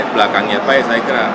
belakangnya baik saya kira